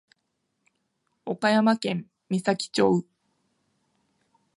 岡山県美咲町